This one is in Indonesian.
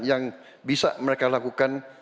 yang bisa mereka lakukan